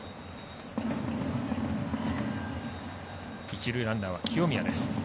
一塁ランナーは清宮です。